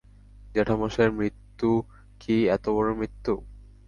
জ্যাঠামশাইয়ের মৃত্যু কি এতবড়ো মৃত্যু?